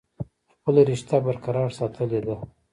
خپله رشته برقرار ساتلي ده ۔